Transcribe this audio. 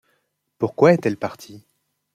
Pourquoi est-elle partie?